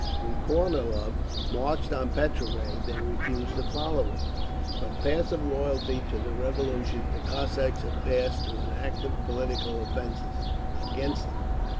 When Kornilov marched on Petrograd they refused to follow him. From passive loyalty to the Revolution the Cossacks have passed to an active political offensive (against it).